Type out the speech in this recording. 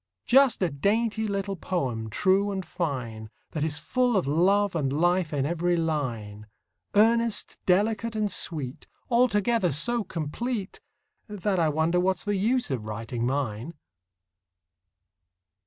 Just a dainty little poem, true and fine, That is full of love and life in every line, Earnest, delicate, and sweet, Altogether so complete That I wonder what's the use of writing mine.